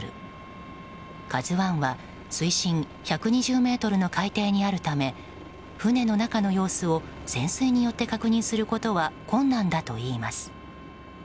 「ＫＡＺＵ１」は水深１２０ｍの海底にあるため船の中の様子を潜水によって確認することは困難だといいます。